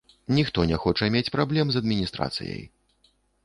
Ніхто не хоча мець праблем з адміністрацыяй.